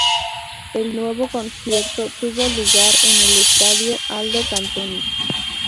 El nuevo concierto tuvo lugar en el estadio Aldo Cantoni.